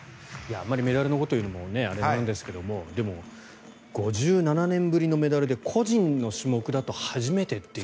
あんまりメダルのことを言うのもあれですけどでも、５７年ぶりのメダルで個人の種目だと初めてっていう。